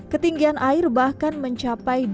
ketinggian air bahkan mencapai dua puluh delapan cm